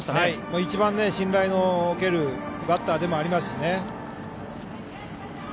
一番信頼の置けるバッターでもあります。